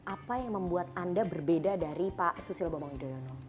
apa yang membuat anda berbeda dari pak susilo bambang yudhoyono